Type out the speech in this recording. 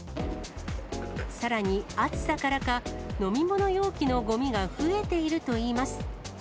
さらに、暑さからか、飲み物容器のごみが増えているといいます。